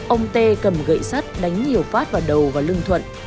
ông t cầm gậy sắt đánh hiểu phát vào đầu và lưng thuận